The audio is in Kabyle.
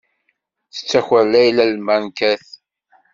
Tettaker Layla lbankat.